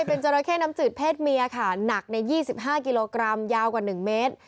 เพศเมียค่ะหนักใน๒๕กิโลกรัมยาวกว่า๑เมตร